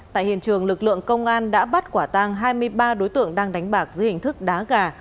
tại hiện trường lực lượng công an đã bắt quả tang hai mươi ba đối tượng đang đánh bạc dưới hình thức đá gà